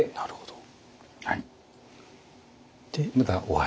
はい。